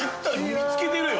見つけてるよ。